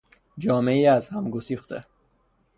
جامعهی از هم گسیخته